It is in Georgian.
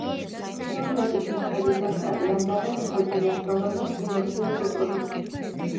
სიუჟეტის მიხედვით, ოსტატი ამზადებს თოჯინას, რომელსაც პინოქიოს უწოდებს.